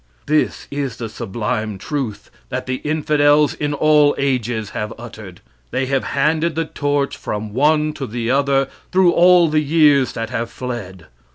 This is the sublime truth that the infidels in all ages have uttered. They have handed the torch from one to the other through all the years that have fled.